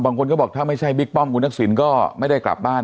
บางคนก็บอกถ้าไม่ใช่บิ๊กป้อมคุณทักษิณก็ไม่ได้กลับบ้าน